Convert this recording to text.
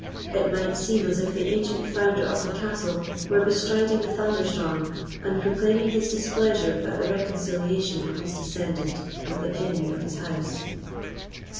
It might seem as if the ancient founder of the castle were bestriding the thunderstorm, and proclaiming his displeasure at the reconciliation of his descendant with the enemy of his house.